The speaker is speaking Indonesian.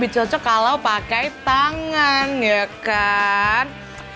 cocok kalau pakai tangan ya kan